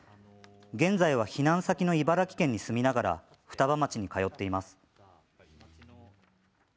現在は避難先の茨城県に住みながら双葉町に通っています。